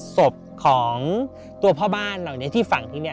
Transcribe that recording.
ศพของตัวพ่อบ้านเราที่ฝั่งที่นี่